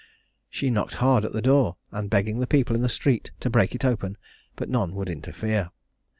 She knocked hard at the door, and begged the people in the street to break it open; but none would interfere.